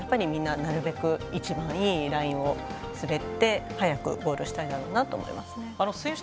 みんな、なるべく一番いいラインを滑って、早くゴールしたいだろうなと思います。